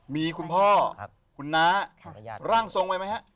มีคุณพ่อคุณน้าร่างทรงไว้ไหมฮะ